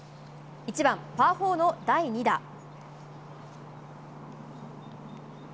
１番、パー４の第２打。